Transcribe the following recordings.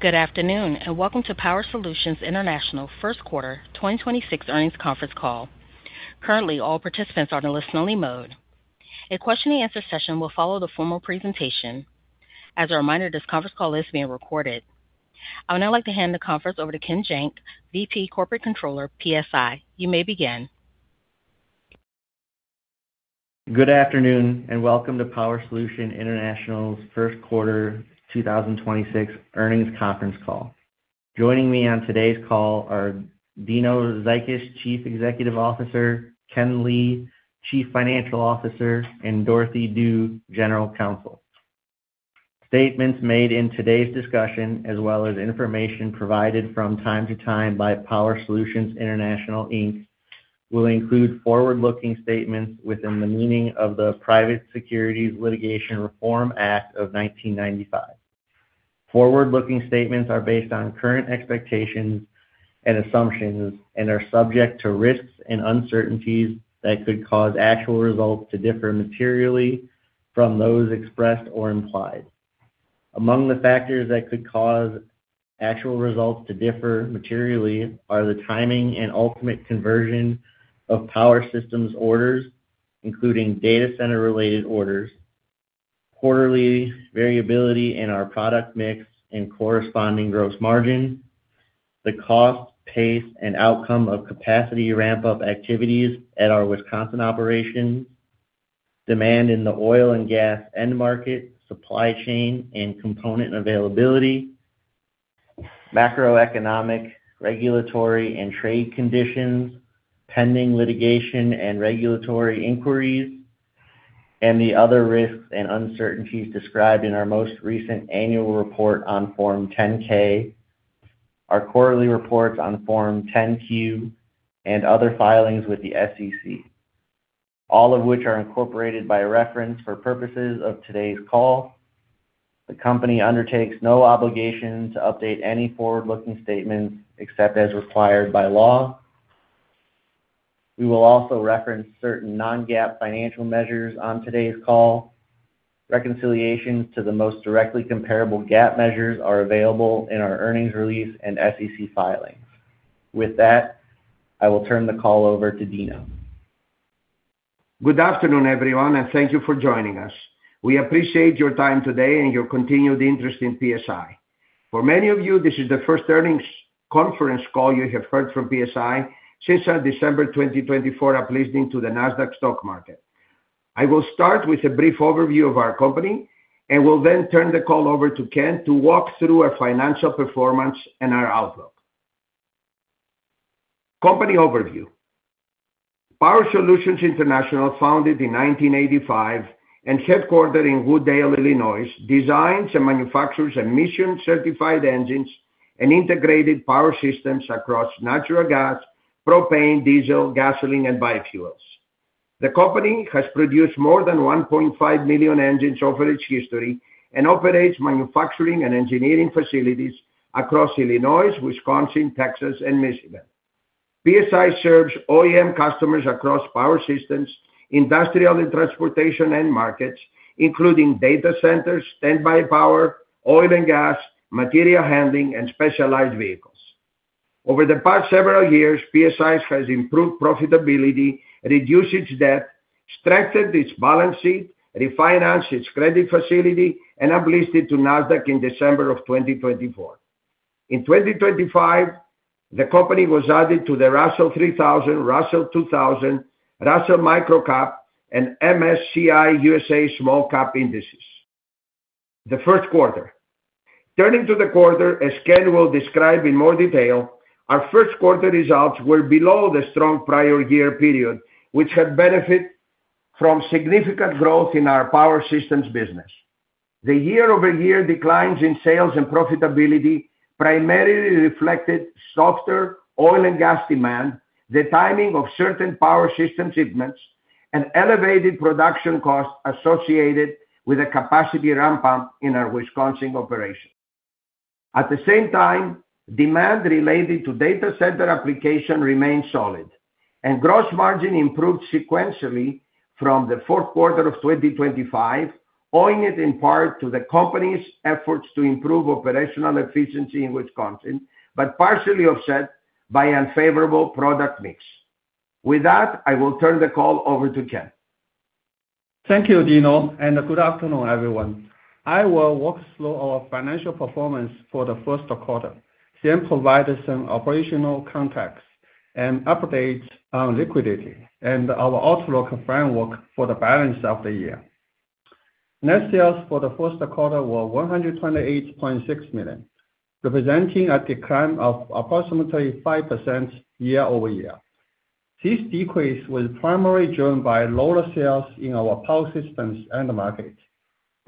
Good afternoon, welcome to Power Solutions International First Quarter 2026 Earnings Conference Call. Currently, all participants are in listen-only mode. A question-and-answer session will follow the formal presentation. As a reminder, this conference call is being recorded. I would now like to hand the conference over to Ken Janke, VP Corporate Controller, PSI. You may begin. Good afternoon, welcome to Power Solutions International's 1st quarter 2026 earnings conference call. Joining me on today's call are Dino Xykis, Chief Executive Officer, Kenneth Li, Chief Financial Officer, and Dorothy Du, General Counsel. Statements made in today's discussion, as well as information provided from time to time by Power Solutions International, Inc., will include forward-looking statements within the meaning of the Private Securities Litigation Reform Act of 1995. Forward-looking statements are based on current expectations and assumptions and are subject to risks and uncertainties that could cause actual results to differ materially from those expressed or implied. Among the factors that could cause actual results to differ materially are the timing and ultimate conversion of power systems orders, including data center-related orders, quarterly variability in our product mix and corresponding gross margin, the cost, pace, and outcome of capacity ramp-up activities at our Wisconsin operation, demand in the oil and gas end market, supply chain, and component availability, macroeconomic, regulatory, and trade conditions, pending litigation and regulatory inquiries, and the other risks and uncertainties described in our most recent annual report on Form 10-K, our quarterly reports on Form 10-Q, and other filings with the SEC, all of which are incorporated by reference for purposes of today's call. The company undertakes no obligation to update any forward-looking statements except as required by law. We will also reference certain non-GAAP financial measures on today's call. Reconciliations to the most directly comparable GAAP measures are available in our earnings release and SEC filings. With that, I will turn the call over to Dino. Good afternoon, everyone. Thank you for joining us. We appreciate your time today and your continued interest in PSI. For many of you, this is the first earnings conference call you have heard from PSI since our December 2024 uplisting to the Nasdaq stock market. I will start with a brief overview of our company and will then turn the call over to Ken to walk through our financial performance and our outlook. Company overview. Power Solutions International, founded in 1985 and headquartered in Wood Dale, Illinois, designs and manufactures emission-certified engines and integrated power systems across natural gas, propane, diesel, gasoline, and biofuels. The company has produced more than 1.5 million engines over its history and operates manufacturing and engineering facilities across Illinois, Wisconsin, Texas, and Michigan. PSI serves OEM customers across power systems, industrial and transportation end markets, including data centers, standby power, oil and gas, material handling, and specialized vehicles. Over the past several years, PSI has improved profitability, reduced its debt, strengthened its balance sheet, refinanced its credit facility, and uplisted to Nasdaq in December of 2024. In 2025, the company was added to the Russell 3000, Russell 2000, Russell Microcap, and MSCI USA Small Cap indices. The first quarter. Turning to the quarter, as Ken will describe in more detail, our first quarter results were below the strong prior year period, which had benefit from significant growth in our power systems business. The year-over-year declines in sales and profitability primarily reflected softer oil and gas demand, the timing of certain power system shipments, and elevated production costs associated with a capacity ramp-up in our Wisconsin operation. At the same time, demand related to data center application remained solid, and gross margin improved sequentially from the fourth quarter of 2025, owing it in part to the company's efforts to improve operational efficiency in Wisconsin, but partially offset by unfavorable product mix. With that, I will turn the call over to Ken. Thank you, Dino, and good afternoon, everyone. I will walk through our financial performance for the first quarter, then provide some operational context and updates on liquidity and our outlook framework for the balance of the year. Net sales for the first quarter were $128.6 million, representing a decline of approximately 5% year-over-year. This decrease was primarily driven by lower sales in our power systems end market,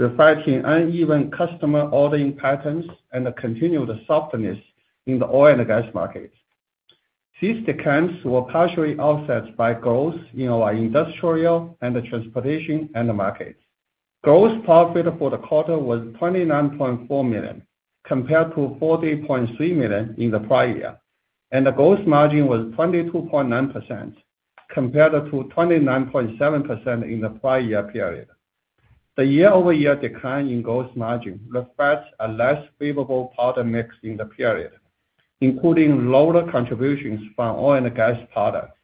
reflecting uneven customer ordering patterns and a continued softness in the oil and gas market. These declines were partially offset by growth in our industrial and the transportation end markets. Gross profit for the quarter was $29.4 million, compared to $40.3 million in the prior year, the gross margin was 22.9%, compared to 29.7% in the prior year period. The year-over-year decline in gross margin reflects a less favorable product mix in the period, including lower contributions from oil and gas products,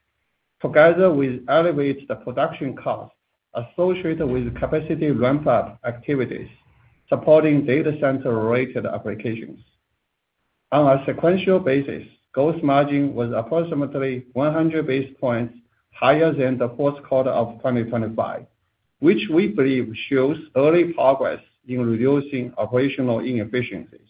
together with elevated production costs associated with capacity ramp-up activities supporting data center-related applications. On a sequential basis, gross margin was approximately 100 basis points higher than the fourth quarter of 2025, which we believe shows early progress in reducing operational inefficiencies.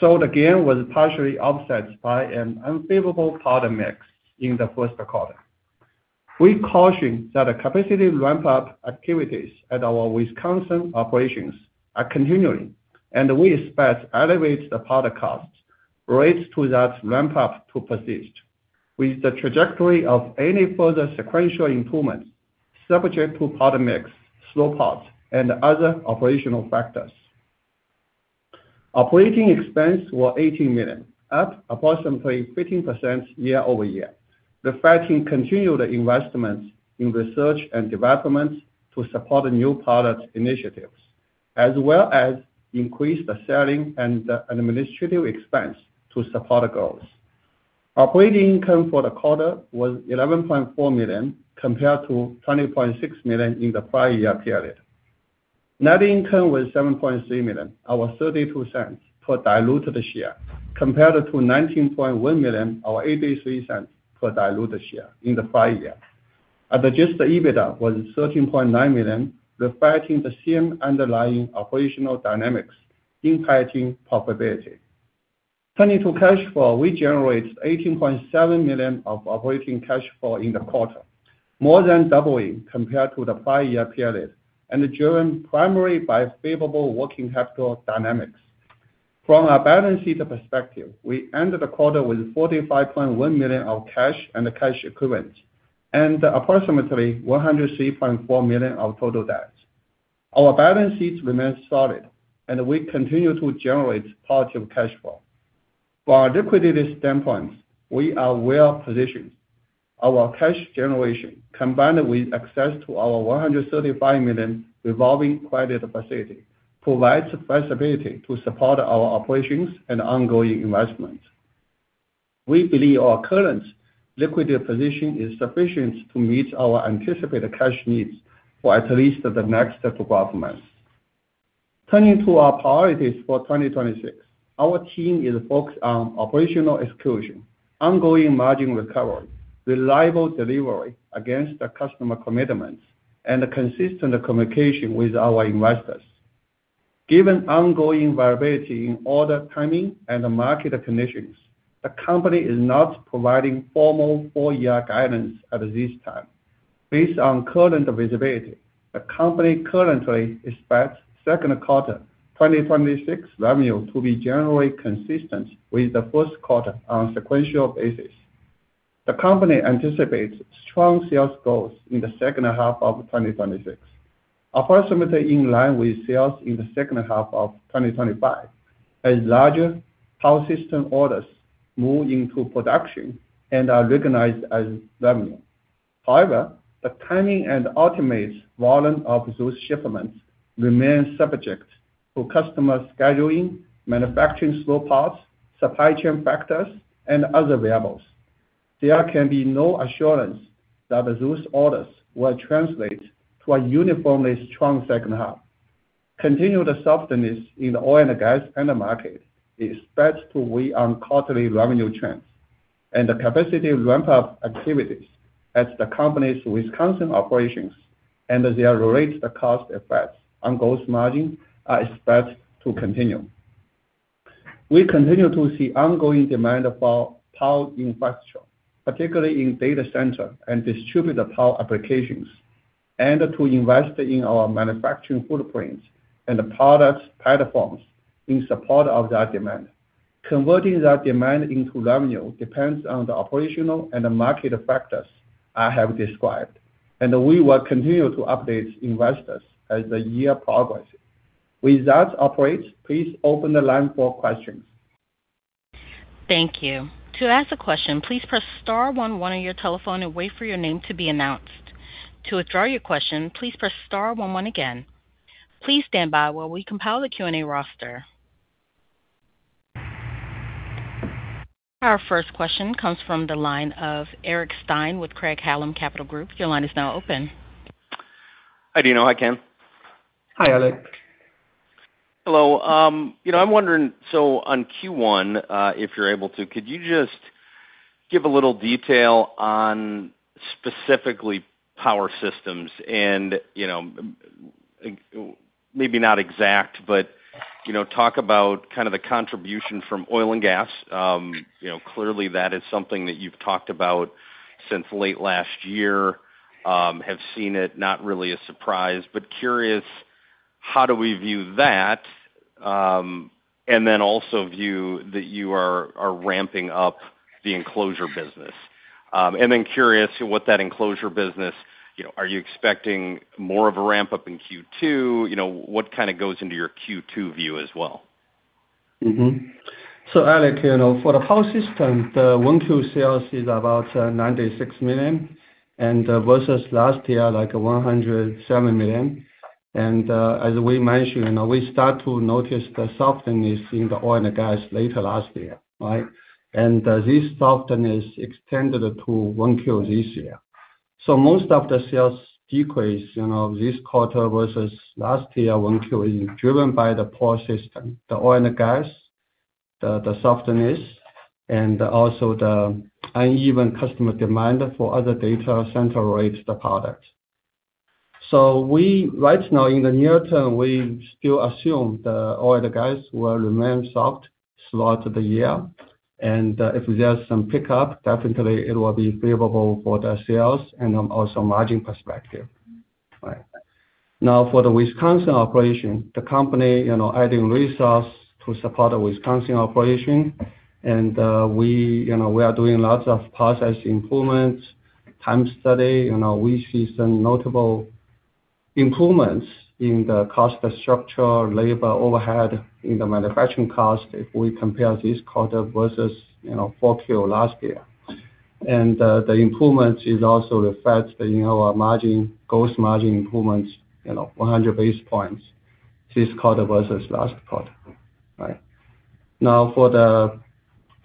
The gain was partially offset by an unfavorable product mix in the first quarter. We caution that the capacity ramp-up activities at our Wisconsin operations are continuing, and we expect elevated product costs related to that ramp-up to persist with the trajectory of any further sequential improvement subject to product mix, slow parts, and other operational factors. Operating expenses were $80 million, up approximately 15% year-over-year, reflecting continued investments in research and development to support new product initiatives as well as increased selling and administrative expense to support goals. Operating income for the quarter was $11.4 million compared to $20.6 million in the prior year period. Net income was $7.3 million, or $0.32 per diluted share, compared to $19.1 million, or $0.83 per diluted share in the prior year. Adjusted EBITDA was $13.9 million, reflecting the same underlying operational dynamics impacting profitability. Turning to cash flow, we generated $18.7 million of operating cash flow in the quarter, more than doubling compared to the prior year period and driven primarily by favorable working capital dynamics. From a balance sheet perspective, we ended the quarter with $45.1 million of cash and cash equivalents and approximately $103.4 million of total debt. Our balance sheet remains solid, and we continue to generate positive cash flow. From a liquidity standpoint, we are well-positioned. Our cash generation, combined with access to our $135 million revolving credit facility, provides flexibility to support our operations and ongoing investments. We believe our current liquidity position is sufficient to meet our anticipated cash needs for at least the next 12 months. Turning to our priorities for 2026, our team is focused on operational execution, ongoing margin recovery, reliable delivery against customer commitments, and consistent communication with our investors. Given ongoing variability in order timing and market conditions, the company is not providing formal full-year guidance at this time. Based on current visibility, the company currently expects second quarter 2026 revenue to be generally consistent with the first quarter on a sequential basis. The company anticipates strong sales growth in the second half of 2026, approximately in line with sales in the second half of 2025 as larger power system orders move into production and are recognized as revenue. However, the timing and ultimate volume of those shipments remains subject to customer scheduling, manufacturing slow parts, supply chain factors, and other variables. There can be no assurance that those orders will translate to a uniformly strong second half. Continued softness in the oil and gas end market is expected to weigh on quarterly revenue trends and the capacity ramp-up activities at the company's Wisconsin operations and their related cost effects on gross margin are expected to continue. We continue to see ongoing demand for power infrastructure, particularly in data center and distributed power applications, and to invest in our manufacturing footprint and product platforms in support of that demand. Converting that demand into revenue depends on the operational and market factors I have described, and we will continue to update investors as the year progresses. With that, operator, please open the line for questions. Thank you. To ask a question, please press star one one on your telephone and wait for your name to be announced. To withdraw your question, please press star one one again. Please stand by while we compile the Q&A roster. Our first question comes from the line of Eric Stine with Craig-Hallum Capital Group. Your line is now open. Hi, Dino. Hi, Ken. Hi, Eric. Hello. You know, I'm wondering, on Q1, if you're able to, could you just give a little detail on specifically power systems and, you know, maybe not exact, but, you know, talk about kind of the contribution from oil and gas. You know, clearly that is something that you've talked about since late last year. Have seen it, not really a surprise, but curious, how do we view that? Also view that you are ramping up the enclosure business. Curious what that enclosure business, you know, are you expecting more of a ramp-up in Q2? You know, what kind of goes into your Q2 view as well? Eric, you know, for the whole system, the 1Q sales is about $96 million versus last year, like $107 million. As we mentioned, you know, we start to notice the softness in the oil and gas later last year, right? This softness extended to 1Q this year. Most of the sales decrease, you know, this quarter versus last year, 1Q is driven by the power system, the oil and gas softness, and also the uneven customer demand for other data center-related products. Right now, in the near term, we still assume the oil and gas will remain soft throughout the year. If there's some pickup, definitely it will be favorable for the sales and also margin perspective. Right. For the Wisconsin operation, the company, you know, adding resource to support the Wisconsin operation. We, you know, we are doing lots of process improvements, time study. You know, we see some notable improvements in the cost structure, labor overhead in the manufacturing cost if we compare this quarter versus, you know, 4Q last year. The improvements is also reflect in our margin, gross margin improvements, you know, 100 basis points this quarter versus last quarter. Right. For the,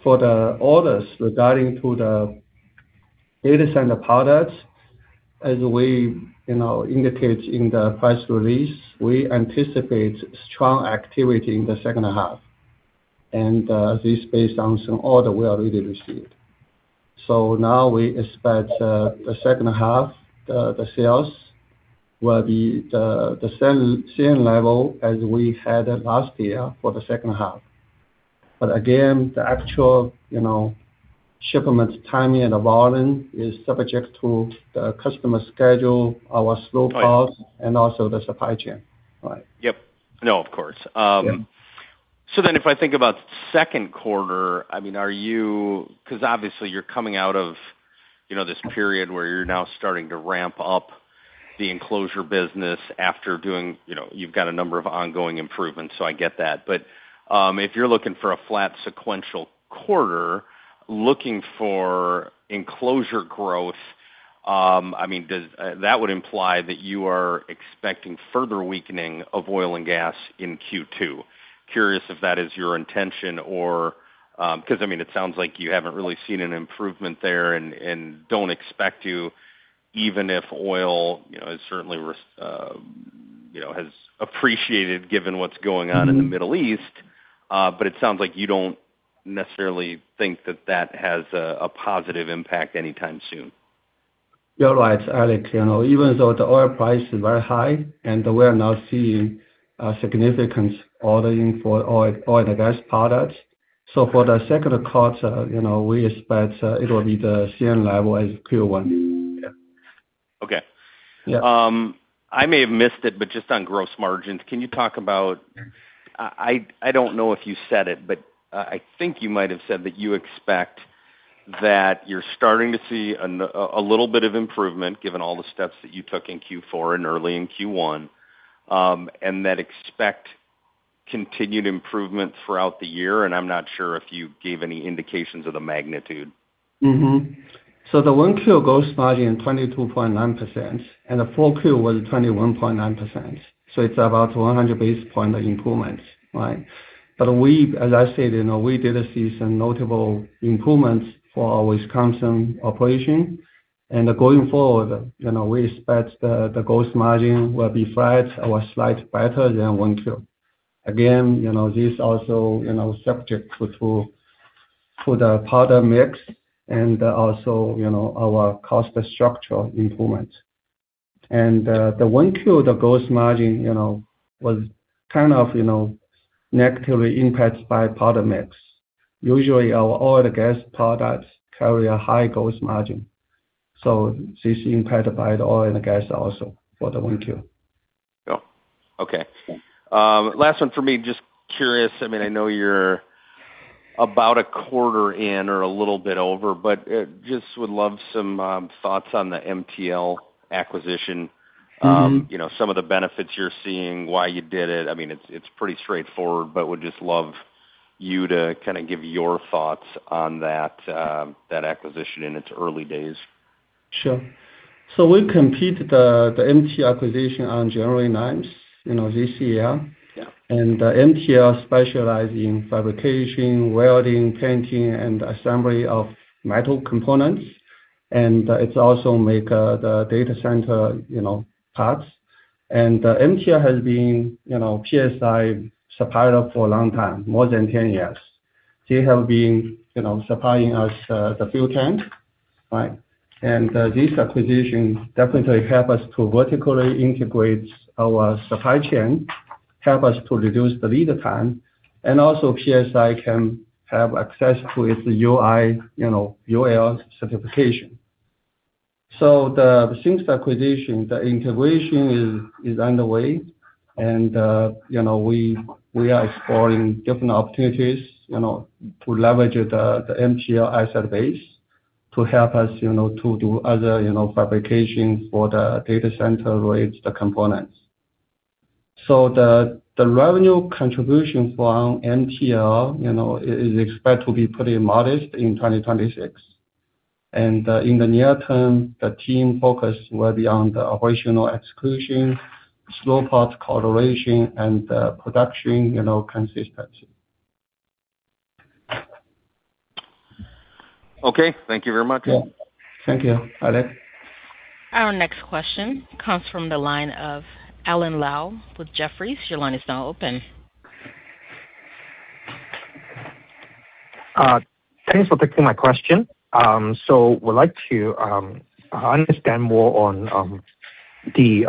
for the orders regarding to the data center products, as we, you know, indicate in the press release, we anticipate strong activity in the second half, this based on some order we have already received. Now we expect the second half, the sales will be the same level as we had last year for the second half. Again, the actual, you know, shipments timing and the volume is subject to the customer schedule. Right Also the supply chain. Right. Yep. No, of course. Yeah. If I think about second quarter, I mean, are you 'cause obviously you're coming out of, you know, this period where you're now starting to ramp up the enclosure business after doing, you know, you've got a number of ongoing improvements, so I get that. If you're looking for a flat sequential quarter, looking for enclosure growth, I mean, does that would imply that you are expecting further weakening of oil and gas in Q2? Curious if that is your intention or, 'cause I mean, it sounds like you haven't really seen an improvement there and don't expect to, even if oil, you know, is certainly, you know, has appreciated given what's going on. -in the Middle East. It sounds like you don't necessarily think that that has a positive impact anytime soon. You're right, Eric. You know, even though the oil price is very high, and we are now seeing a significant ordering for oil and gas products. For the second quarter, you know, we expect it will be the same level as Q1. Yeah. Okay. Yeah. I may have missed it, just on gross margins, can you talk about, I don't know if you said it, but, I think you might have said that you expect that you're starting to see a little bit of improvement, given all the steps that you took in Q4 and early in Q1, and that expect continued improvement throughout the year. I'm not sure if you gave any indications of the magnitude. Mm-hmm. The 1Q gross margin, 22.9%, and the 4Q was 21.9%. It's about 100 basis point improvements, right? We, as I said, you know, we did see some notable improvements for our Wisconsin operation. Going forward, you know, we expect the gross margin will be flat or slight better than 1Q. Again, you know, this also, you know, subject to the product mix and also, you know, our cost structure improvement. The 1Q, the gross margin, you know, was kind of, you know, negatively impacted by product mix. Usually our oil and gas products carry a high gross margin. This impacted by the oil and gas also for the 1Q. Oh, okay. Yeah. Last one for me, just curious, I mean, I know you're about a quarter in or a little bit over, just would love some thoughts on the MTL acquisition. You know, some of the benefits you're seeing, why you did it. I mean, it's pretty straightforward, but would just love you to kind of give your thoughts on that acquisition in its early days. Sure. We completed the MTL acquisition on January 9th, you know, this year. Yeah. MTL specializes in fabrication, welding, painting, and assembly of metal components. It also makes the data center, you know, parts. MTL has been, you know, PSI supplier for a long time, more than 10 years. They have been, you know, supplying us the fuel tank. This acquisition definitely helps us to vertically integrate our supply chain, helps us to reduce the lead time, and also PSI can have access to its, you know, UL certification. Since the acquisition, the integration is underway and, you know, we are exploring different opportunities, you know, to leverage the MTL asset base to help us, you know, to do other, you know, fabrication for the data center related to the components. The revenue contribution from MTL, you know, is expected to be pretty modest in 2026. In the near term, the team focus will be on the operational execution, slow parts correlation, and production, you know, consistency. Okay. Thank you very much. Yeah. Thank you. Bye. Our next question comes from the line of Alan Lau with Jefferies. Your line is now open. Thanks for taking my question. Would like to understand more on the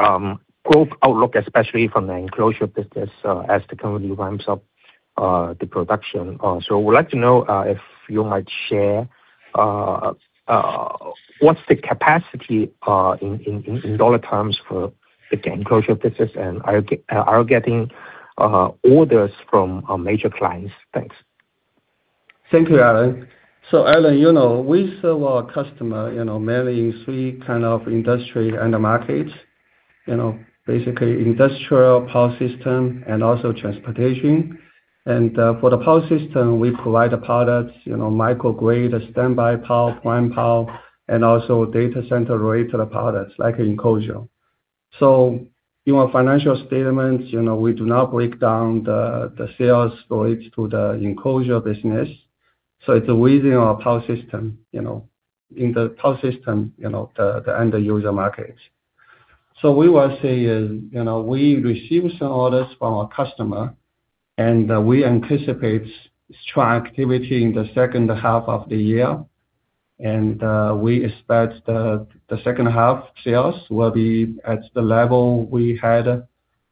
group outlook, especially from the enclosure business, as the company ramps up the production. Would like to know if you might share what's the capacity in dollar terms for the enclosure business, and are you getting orders from major clients? Thanks. Thank you, Alan. Alan, you know, we serve our customer, you know, mainly in three kind of industry end markets. Basically industrial power system and transportation. For the power system, we provide the products, you know, microgrid, standby power, prime power, and also data center related products like enclosure. In our financial statements, you know, we do not break down the sales related to the enclosure business, so it's within our power system, you know. In the power system, you know, the end user market, we will say is, you know, we received some orders from our customer, we anticipate strong activity in the second half of the year. We expect the second half sales will be at the level we had,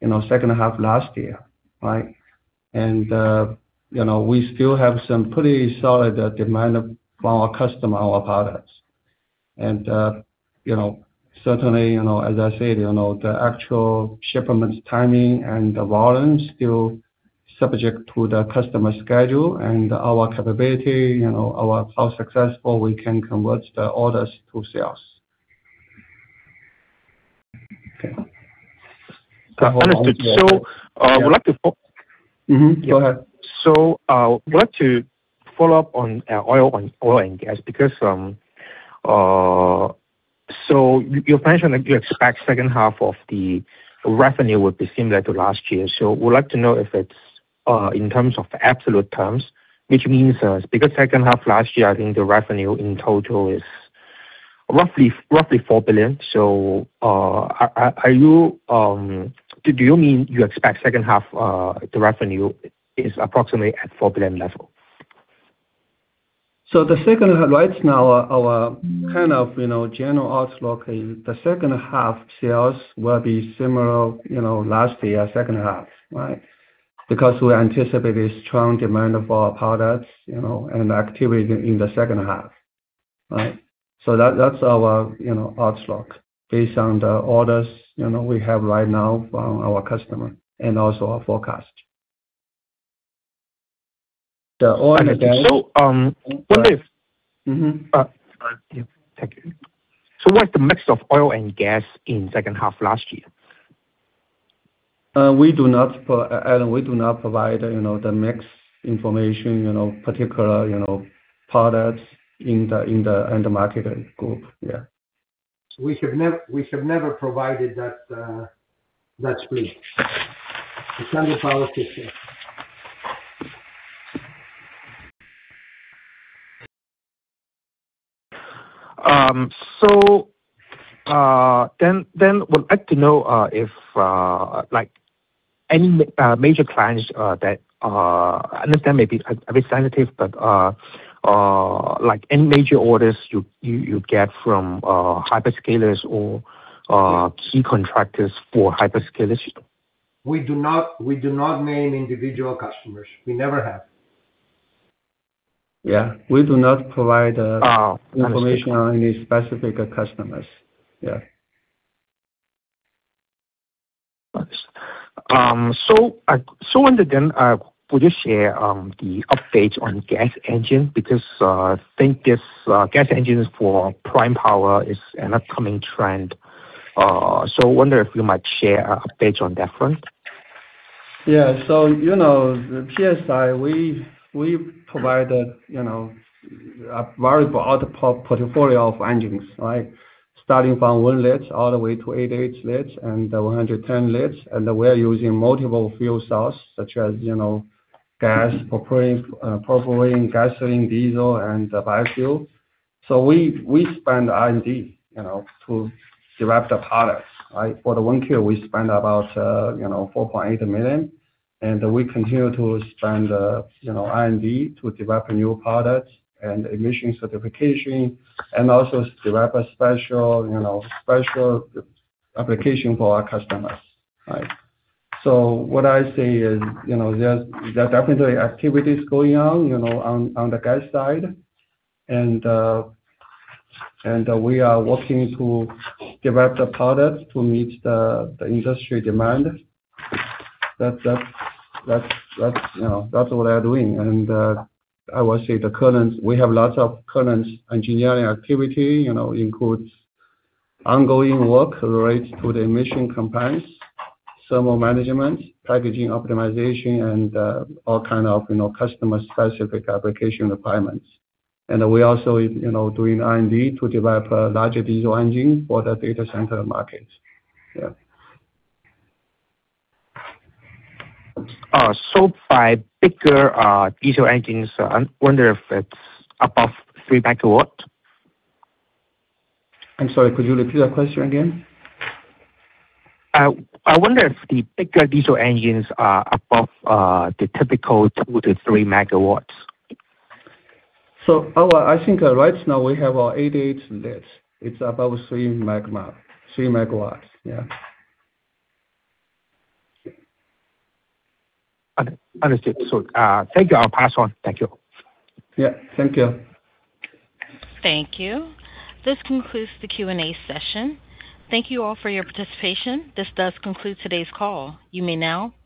you know, second half last year, right? You know, we still have some pretty solid demand from our customer, our products. You know, certainly, you know, as I said, you know, the actual shipments timing and the volume still subject to the customer schedule and our capability, you know, our successful we can convert the orders to sales. Understood. Mm-hmm. Go ahead. Would like to follow up on oil, on oil and gas because you mentioned that you expect second half of the revenue will be similar to last year. Would like to know if it's in terms of absolute terms, which means, because second half last year, I think the revenue in total is roughly $4 billion. Do you mean you expect second half, the revenue is approximately at $4 billion level? Right now our kind of, you know, general outlook in the second half sales will be similar, you know, last year second half, right? Because we anticipate a strong demand of our products, you know, and activity in the second half. Right? That's our, you know, outlook based on the orders, you know, we have right now from our customer and also our forecast. The oil and gas. Understood. Yeah. Thank you. What's the mix of oil and gas in second half last year? Alan, we do not provide, you know, the mix information, you know, particular, you know, products in the, in the end market group. Yeah. We have never provided that split. It's under policy, yeah. Would like to know, if like any major clients, that I understand may be a bit sensitive, but like any major orders you get from hyperscalers or key contractors for hyperscalers? We do not name individual customers. We never have. Yeah. We do not provide, Oh. Understood. -information on any specific customers. Yeah. Understood. Could you share the updates on gas engine? I think this gas engines for prime power is an upcoming trend. Wonder if you might share an update on that front? Yeah. You know, at PSI we provide a, you know, a very broad portfolio of engines, right? Starting from 1 liter all the way to 8.8 liter and the 110 liter, and we're using multiple fuel source such as, you know, gas, propane, propylene, gasoline, diesel and biofuel. We, we spend R&D, you know, to develop the products, right? For the 1Q we spend about, you know, $4.8 million. We continue to spend, you know, R&D to develop new products and emission certification and also develop a special, you know, special application for our customers, right? What I say is, you know, there's, there definitely activities going on, you know, on the gas side. We are working to develop the product to meet the industry demand. That's, you know, that's what we are doing. I will say the current, we have lots of current engineering activity, you know, includes ongoing work related to the emission compliance, thermal management, packaging optimization, and all kind of, you know, customer-specific application requirements. We're also, you know, doing R&D to develop a larger diesel engine for the data center market. Yeah. by bigger diesel engines, I wonder if it's above 3 MW? I'm sorry, could you repeat that question again? I wonder if the bigger diesel engines are above the typical 2-3 MW? I think right now we have our 8.8 liter. It's above 3 MW. Yeah. understood. Thank you. I'll pass on. Thank you. Yeah, thank you. Thank you. This concludes the Q&A session. Thank you all for your participation. This does conclude today's call. You may now disconnect.